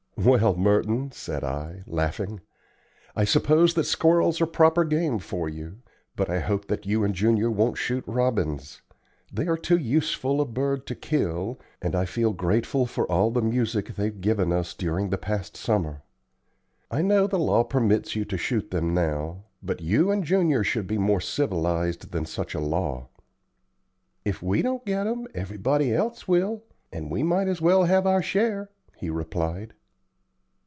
"Well, Merton," said I, laughing, "I suppose that squirrels are proper game for you; but I hope that you and Junior won't shoot robins. They are too useful a bird to kill, and I feel grateful for all the music they've given us during the past summer. I know the law permits you to shoot them now, but you and Junior should be more civilized than such a law." "If we don't get 'em, everybody else will, and we might as well have our share," he replied.